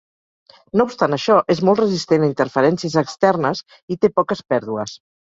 No obstant això és molt resistent a interferències externes i té poques pèrdues.